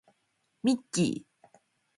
ミッキー